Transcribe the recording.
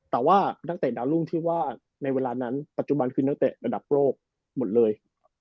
แต่ว่านักเตะดาวรุ่งที่ว่าในเวลานั้นปัจจุบันคือนักเตะระดับโลกหมดเลย